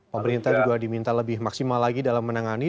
pemerintah juga diminta lebih maksimal lagi dalam menangani